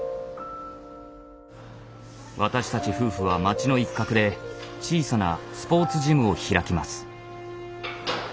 私たち夫婦は町の一角で小さなスポーツジムを開きます。